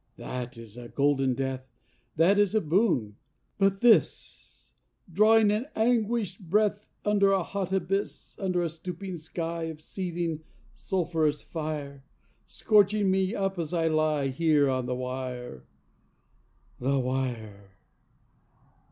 That is a golden death, That is a boon; but this ... Drawing an anguished breath Under a hot abyss, Under a stooping sky Of seething, sulphurous fire, Scorching me up as I lie Here on the wire ... the wire.